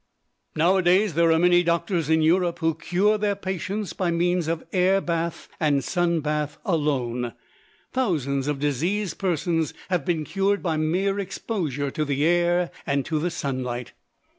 Now a days, there are many doctors in Europe who cure their patients by means of air bath and sun bath alone. Thousands of diseased persons have been cured by mere exposure to the air and to the sunlight.